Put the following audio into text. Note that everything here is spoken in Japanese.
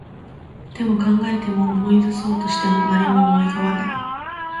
でも、考えても、思い出そうとしても、何も思い浮かばない